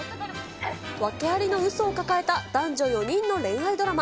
訳ありのうそを抱えた男女４人の恋愛ドラマ。